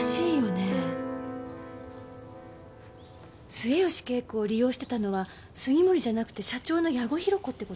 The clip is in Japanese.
末吉恵子を利用してたのは杉森じゃなくて社長の矢後弘子って事？